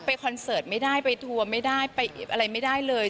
คอนเสิร์ตไม่ได้ไปทัวร์ไม่ได้ไปอะไรไม่ได้เลย